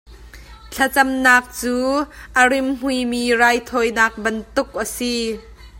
Thlacamnak cu rimhmui raithawinak bantuk a si.